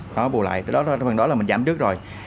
đó bù lại phần đó là mình giảm trước rồi